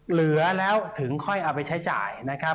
เหลือแล้วถึงค่อยเอาไปใช้จ่ายนะครับ